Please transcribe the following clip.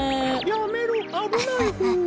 やめろあぶないホー。